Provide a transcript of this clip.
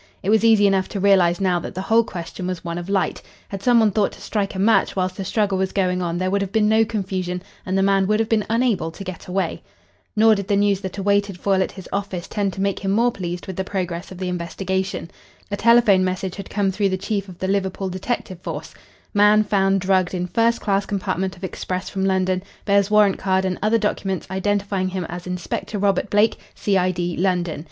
It was easy enough to realise now that the whole question was one of light. Had some one thought to strike a match while the struggle was going on there would have been no confusion, and the man would have been unable to get away. Nor did the news that awaited Foyle at his office tend to make him more pleased with the progress of the investigation. A telephone message had come through the chief of the Liverpool detective force "Man found drugged in first class compartment of express from London, bears warrant card and other documents identifying him as Inspector Robert Blake, C.I.D., London.